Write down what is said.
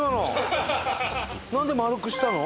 なんで丸くしたの？